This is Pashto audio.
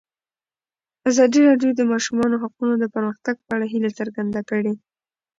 ازادي راډیو د د ماشومانو حقونه د پرمختګ په اړه هیله څرګنده کړې.